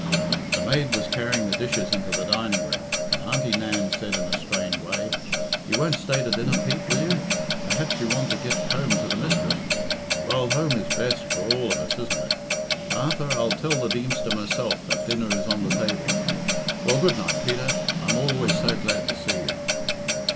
The maid was carrying the dishes into the dining room, and Auntie Nan said in a strained way, "You won't stay to dinner, Pete, will you? Perhaps you want to get home to the mistress. Well, home is best for all of us, isn't it? Martha, I'll tell the Deemster myself that dinner is on the table. Well, good night, Peter. I'm always so glad to see you."